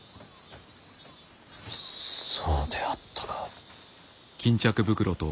そうであったか。